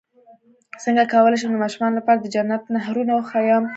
څنګه کولی شم د ماشومانو لپاره د جنت نهرونه وښایم